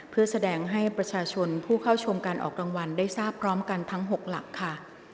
เพื่อแสดงให้ประชาชนผู้เข้าชมการออกรางวัลได้ทราบพร้อมกันทั้ง๖หลักค่ะ